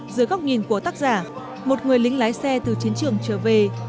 dưới góc nhìn của tác giả một người lính lái xe từ chiến trường trở về